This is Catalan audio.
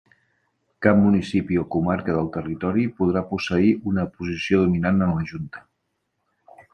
Cap municipi o comarca del territori podrà posseir una posició dominant en la Junta.